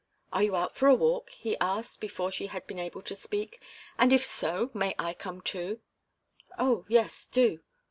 "Are you out for a walk?" he asked, before she had been able to speak. "And if so, may I come too?" "Oh, yes do."